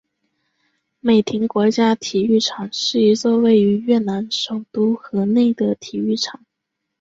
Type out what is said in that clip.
美亭国家体育场是一座位于越南首都河内的体育场。